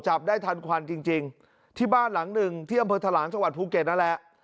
จับได้ทันควันจริงจริงที่บ้านหลังดึงที่ห้อผจรหลังชะวันภูเกตนั่นแหละ